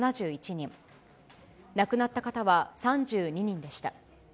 亡くなった方は３２人でした。